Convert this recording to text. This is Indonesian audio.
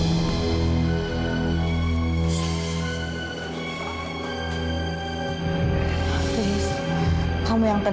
ibu berbuat seperti itu karena ibu nggak tahu